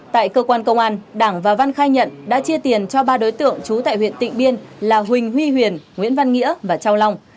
tại cơ quan công an đảng và văn khai nhận đã chia tiền cho ba đối tượng trú tại huyện tịnh biên là huỳnh huy huyền nguyễn văn nghĩa và châu long